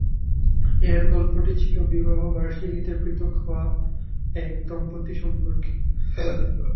এর গল্পটি ছিল বিবাহ বার্ষিকীতে পৃথক হওয়া এক দম্পতি সম্পর্কে।